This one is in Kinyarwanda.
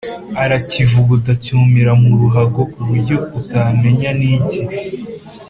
arakivuguta cyumira muruhago kuburyo utamenya niki,